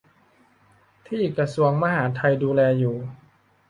ที่กระทรวงมหาดไทยดูแลอยู่